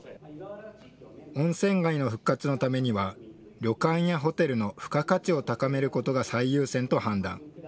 温泉街の復活のためには旅館やホテルの付加価値を高めることが最優先と判断。